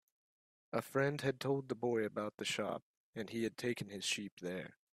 A friend had told the boy about the shop, and he had taken his sheep there.